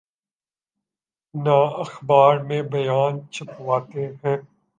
نہ اخبار میں بیان چھپواتے ہیں۔